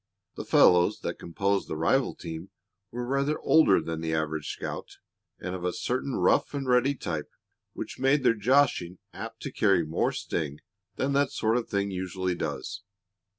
The fellows that composed the rival team were rather older than the average scout and of a certain rough and ready type which made their joshing apt to carry more sting than that sort of thing usually does.